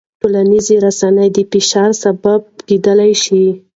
ټولنیزې رسنۍ د فشار سبب کېدای شي.